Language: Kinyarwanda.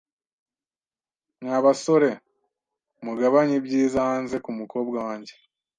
Mwa basore mugabanye ibyiza hanze kumukobwa wanjye